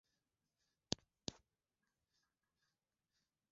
Pamoja na sehemu nyingine za dunia kupitia ukurasa wetu wa mtandao wa wavuti